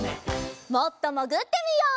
もっともぐってみよう！